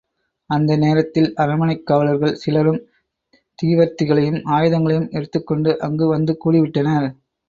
அந்த நேரத்தில் அரண்மனைக் காவலர்கள் சிலரும் தீவர்த்திகளையும் ஆயுதங்களையும் எடுத்துக்கொண்டு, அங்கு வந்து கூடிவிட்டனர்.